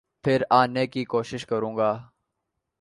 پھر آنے کی کوشش کروں گا۔